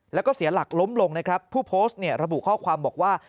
และเสียหลักล้มลงผู้โพสต์ระบุข้อความบอกว่า